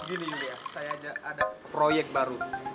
gini yulia saya ada proyek baru